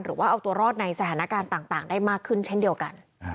หรือว่าเอาตัวรอดในสถานการณ์ต่างได้มากขึ้นเช่นเดียวกัน